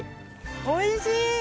おいしい！